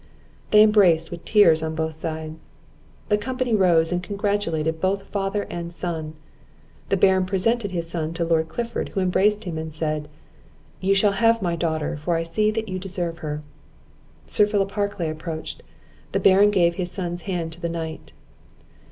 They embraced with tears on both sides; The company rose, and congratulated both father and son. The Baron presented his son to Lord Clifford, who embraced him, and said: "You shall have my daughter, for I see that you deserve her." Sir Philip Harclay approached the Baron gave his son's hand to the knight.